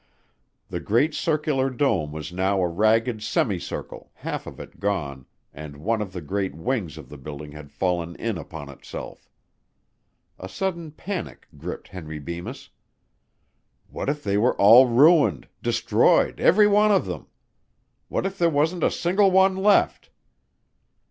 The great circular dome was now a ragged semi circle, half of it gone, and one of the great wings of the building had fallen in upon itself. A sudden panic gripped Henry Bemis. What if they were all ruined, destroyed, every one of them? What if there wasn't a single one left?